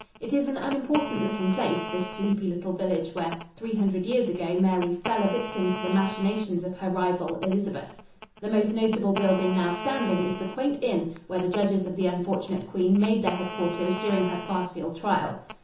It is an unimportant looking place, this sleepy little village where three hundred years ago Mary fell a victim to the machinations of her rival, Elizabeth. The most notable building now standing is the quaint inn where the judges of the unfortunate queen made their headquarters during her farcial trial.